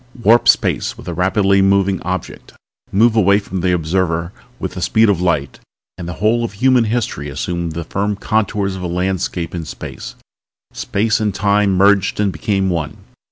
Warp space with a rapidly moving object, move away from the observer with the speed of light and the whole of human history assumed the firm contours of a landscape in space. Time and space merged and became one.